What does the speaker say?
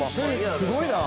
すごいな！